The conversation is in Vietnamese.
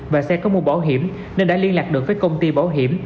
và xe có mua bảo hiểm nên đã liên lạc được với công ty bảo hiểm